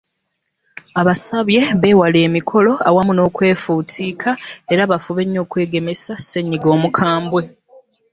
Abasabye beewale emikolo awamu n'okwefuutiika era bafube nnyo okwegemesa ssenyiga omukambwe.